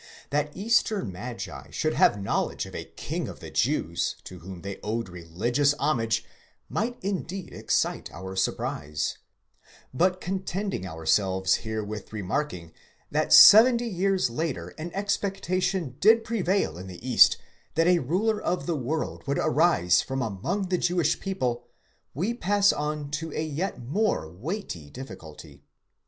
That eastern magi should have knowledge of a King of the Jews to whom they owed religious homage might indeed excite our surprise ; but contenting ourselves here with remarking, that seventy years later an expectation did prevail in the east that a ruler of the world would arise from among the Jewish people," we pass on to a yet more weighty difficulty.